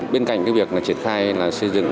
bên cạnh việc triển khai xây dựng